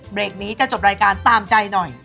เบรกนี้จะจบรายการตามใจหน่อย